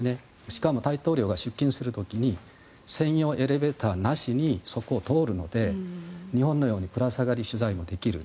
しかも大統領は出勤する時に専用エレベーターなしにそこを通るので日本のようにぶら下がり取材もできる。